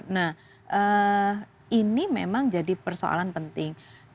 nah ini memang jadi persoalan penting